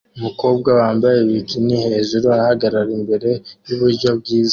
Umukobwa wambaye bikini hejuru ahagarara imbere yuburyo bwiza